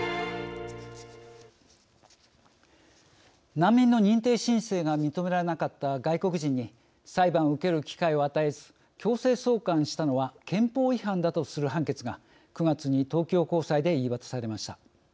難民の認定申請が認められなかった外国人に裁判を受ける機会を与えず強制送還したのは憲法違反だとする判決が９月に東京高裁で言い渡されました。